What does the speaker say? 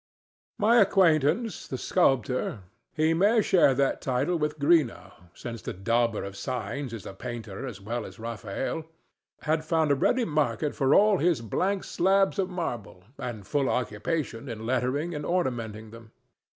My acquaintance the sculptor—he may share that title with Greenough, since the dauber of signs is a painter as well as Raphael—had found a ready market for all his blank slabs of marble and full occupation in lettering and ornamenting them.